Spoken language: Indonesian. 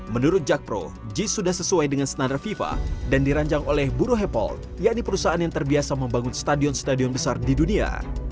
menurut jakpro jis sudah sesuai dengan standar fifa dan diranjang oleh buruh hapol yakni perusahaan yang terbiasa membangun stadion stadion besar di dunia